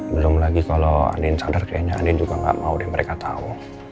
belum lagi kalau andi insider kayaknya andi juga gak mau yang mereka tau